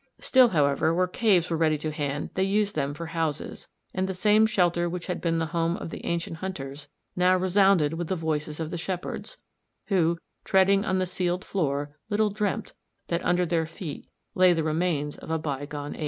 Still, however, where caves were ready to hand they used them for houses, and the same shelter which had been the home of the ancient hunters, now resounded with the voices of the shepherds, who, treading on the sealed floor, little dreamt that under their feet lay the remains of a bygone age.